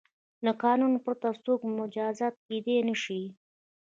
له قانون پرته څوک مجازات کیدای نه شي.